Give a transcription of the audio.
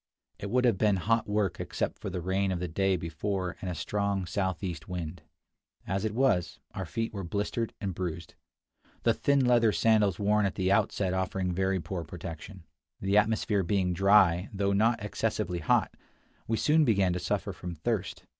It would have been hot work except for the rain of the day before and a strong southeast wind. As it was, our feet were blistered and bruised, the thin leather sandals worn at the outset offering very poor protection. The atmosphere being dry, though not excessively hot, we soon began to suffer from thirst.